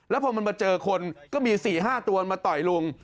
แล้วพอมันมาเจอคนก็มี๔๕ตัวมาต่อยลุง